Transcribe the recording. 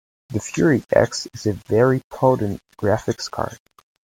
The Fury X is a very potent graphics card.